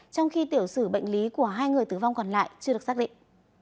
trong khi tiểu sử bệnh lý của hai người tử vong còn lại chưa được xác định